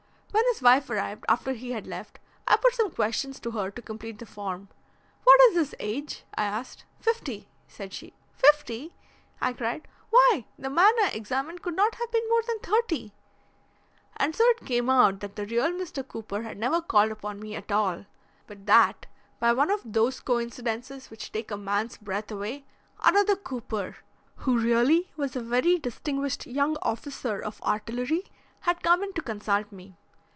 When his wife arrived, after he had left, I put some questions to her to complete the form. 'What is his age?' I asked. 'Fifty,' said she. 'Fifty!' I cried. 'Why, the man I examined could not have been more than thirty! And so it came out that the real Mr. Cooper had never called upon me at all, but that by one of those coincidences which take a man's breath away another Cooper, who really was a very distinguished young officer of artillery, had come in to consult me.